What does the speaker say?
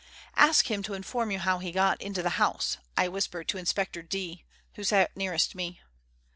"Ask him to inform you how he got into the house," I whispered to Inspector D , who sat nearest me.